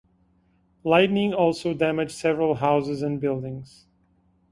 Lightning also damaged several houses and buildings.